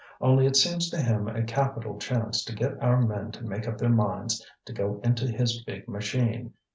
Only it seems to him a capital chance to get our men to make up their minds to go into his big machine.